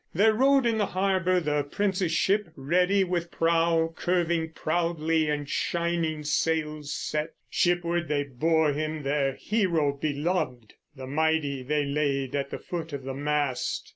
There rode in the harbor the prince's ship, ready, With prow curving proudly and shining sails set. Shipward they bore him, their hero beloved; The mighty they laid at the foot of the mast.